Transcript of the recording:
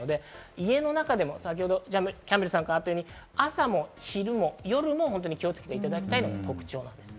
家の中でもキャンベルさんからあったように朝も昼も夜も気をつけていただきたいのが特徴です。